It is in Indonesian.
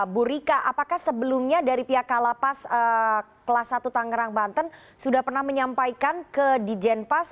bu rika apakah sebelumnya dari pihak kalapas kelas satu tangerang banten sudah pernah menyampaikan ke di jenpas